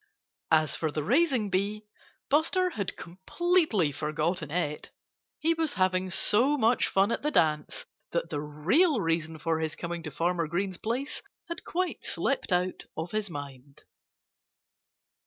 As for the raising bee, Buster had completely forgotten it. He was having so much fun at the dance that the real reason for his coming to Farmer Green's place had quite slipped out of his mind.